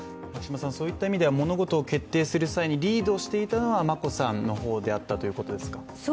そういった意味では物事を決定する際にリードしていたのは眞子さんの方であったということですか？